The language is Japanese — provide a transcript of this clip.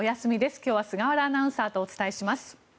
今日は菅原アナウンサーとお伝えします。